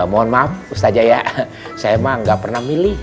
mohon maaf ustaz jaya saya emang gak pernah milih